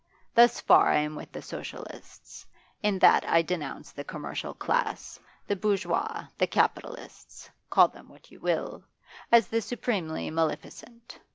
Thus far I am with the Socialists, in that I denounce the commercial class, the bourgeois, the capitalists call them what you will as the supremely maleficent.